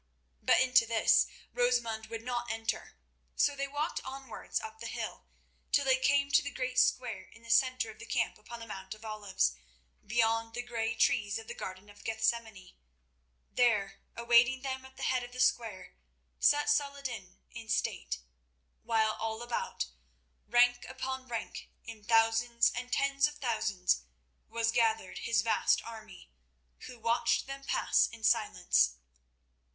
But into this Rosamund would not enter, so they walked onwards up the hill, till they came to the great square in the centre of the camp upon the Mount of Olives, beyond the grey trees of the Garden of Gethsemane. There, awaiting them at the head of the square, sat Saladin in state, while all about, rank upon rank, in thousands and tens of thousands, was gathered his vast army, who watched them pass in silence.